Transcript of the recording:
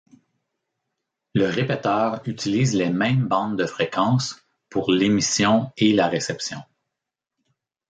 Le répéteur utilise les mêmes bandes de fréquences pour l’émission et la réception.